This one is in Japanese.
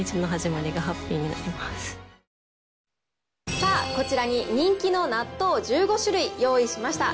さあ、こちらに人気の納豆１５種類用意しました。